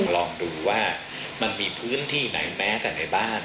ลองดูว่ามันมีพื้นที่ไหนแม้แต่ในบ้าน